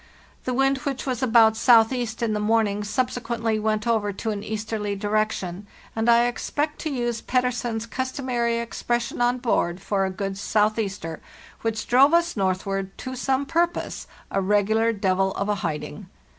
The wind which was about southeast in the morning subsequently went over to an easterly direction, and I expect, to use Pettersen's customary expression on board for a good southeaster which drove us northward to some purpose, 'a regular devil of a hiding.